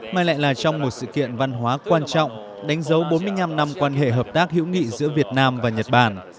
mà lại là trong một sự kiện văn hóa quan trọng đánh dấu bốn mươi năm năm quan hệ hợp tác hữu nghị giữa việt nam và nhật bản